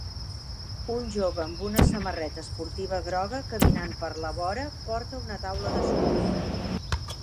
Un jove amb una samarreta esportiva groga caminant per la vora porta una taula de surf